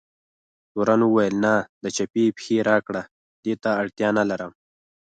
تورن وویل: نه، د چپې پښې راکړه، دې ته اړتیا نه لرم.